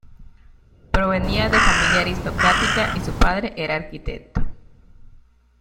Provenía de familia aristocrática y su padre era arquitecto.